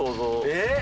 えっ。